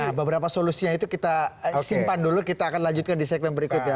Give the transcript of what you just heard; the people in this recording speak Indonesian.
nah beberapa solusinya itu kita simpan dulu kita akan lanjutkan di segmen berikutnya